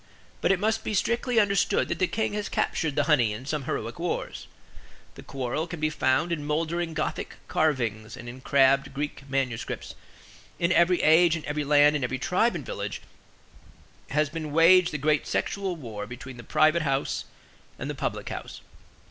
But it must be strictly understood that the king has captured the honey in some heroic wars. The quarrel can be found in moldering Gothic carvings and in crabbed Greek manuscripts. In every age, in every land, in every tribe and village, has been waged the great sexual war between the Private House and the Public House.